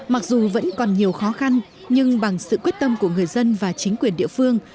mặc dù vẫn còn nhiều khó khăn nhưng bằng sự quyết tâm của người dân và chính quyền địa phương